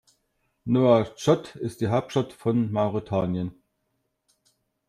Nouakchott ist die Hauptstadt von Mauretanien.